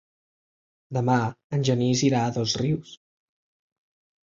Demà en Genís irà a Dosrius.